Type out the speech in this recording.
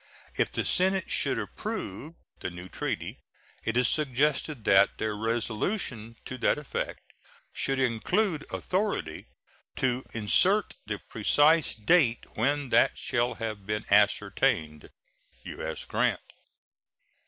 If the Senate should approve the new treaty, it is suggested that their resolution to that effect should include authority to insert the precise date when that shall have been ascertained. U.S. GRANT.